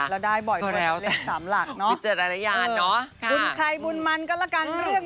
แล้วได้บ่อยคนเลข๓หลักเนอะค่ะคุณใครบุญมันก็ละกันเรื่องนี้